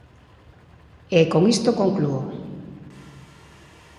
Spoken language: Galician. E con isto conclúo.